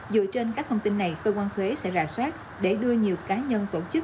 dựa trên các thông tin này tổng cục thuế sẽ rà soát để đưa nhiều cá nhân tổ chức